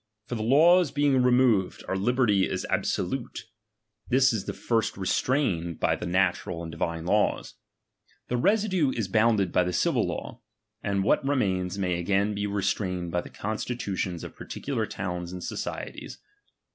For the laws being removed, our liberty is abso lute, This is first restrained by the natural and divine laws ; the residue is bounded by the civil law ; and what remains, may again be restrained by the constitutions of particular towns and socie ties.